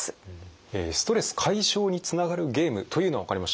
ストレス解消につながるゲームというのはわかりました。